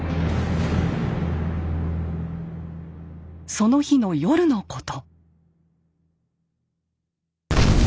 その日の夜のこと。